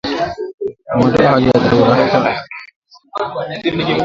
Wameondoa hali ya dharura.